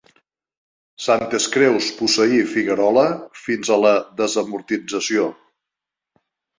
Santes Creus posseí Figuerola fins a la desamortització.